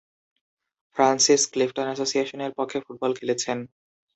Francis Clifton অ্যাসোসিয়েশনের পক্ষে football খেলেছেন।